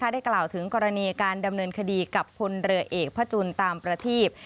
ได้กล่าวถึงกรณีการดำเนินคดีกับพลเรือเอกพระจุลตามประทีบ